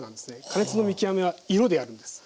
加熱の見極めは色でやるんです。